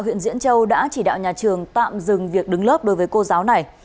huyện diễn châu đã chỉ đạo nhà trường tạm dừng việc đứng lớp đối với cô giáo này